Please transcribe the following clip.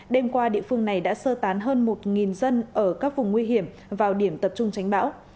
đêm qua địa phương này đã sơ tán hơn một dân ở các vùng nguy hiểm vào điểm tập trung tránh bão